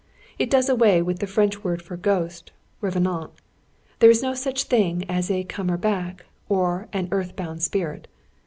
It does away with the French word for ghost revenant. There is no such thing as a 'comer back,' or an 'earth bound spirit.'